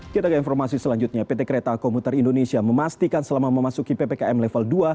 kita ke informasi selanjutnya pt kereta komuter indonesia memastikan selama memasuki ppkm level dua